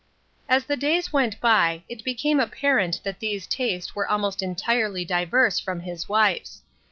As the days went by, it became apparent that those tastes were almost entirely diverse from his wife's.